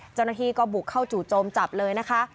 เจ้าหน้าที่ก็บุกเข้าจู่โจมจับเลยนะคะ